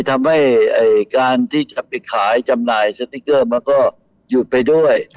ทำให้การที่จะไปขายจำหน่ายสติ๊กเกอร์มันก็หยุดไปด้วย